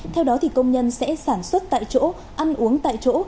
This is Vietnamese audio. theo đó công nhân sẽ sản xuất tại chỗ ăn uống tại chỗ